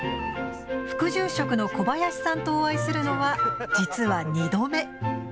副住職の小林さんとお会いするのは実は２度目。